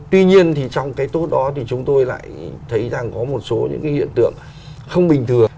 tuy nhiên thì trong cái tốt đó thì chúng tôi lại thấy rằng có một số những cái hiện tượng không bình thường